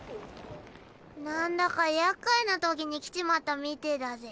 なんだか厄介なときに来ちまったみてぇだぜ。